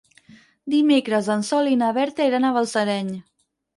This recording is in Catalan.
Dimecres en Sol i na Berta iran a Balsareny.